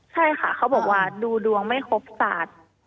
ใช่ค่ะเขาบอกว่าดูดวงไม่ครบศาสตร์